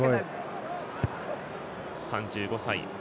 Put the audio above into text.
３５歳。